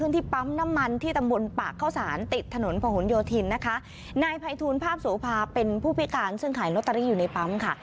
ที่ปั๊มน้ำมันที่ตำบลปากเข้าสารติดถนนพะหนโยธินนะคะนายภัยทูลภาพโสภาเป็นผู้พิการซึ่งขายลอตเตอรี่อยู่ในปั๊มค่ะ